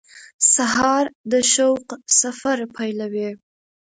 سهار د شوق سفر پیلوي.